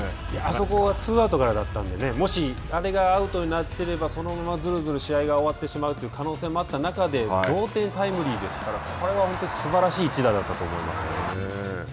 そこはツーアウトからだったんで、もしアウトになっていれば、そのままずるずる試合が終わってしまうという可能性があった中で同点タイムリーですから、これは本当にすばらしい一打だったと思います。